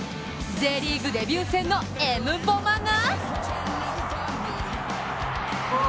Ｊリーグデビュー戦のエムボマが！